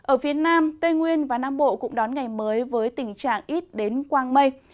ở phía nam tây nguyên và nam bộ cũng đón ngày mới với tình trạng ít đến quang mây